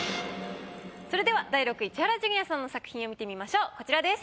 それでは第６位千原ジュニアさんの作品を見てみましょうこちらです。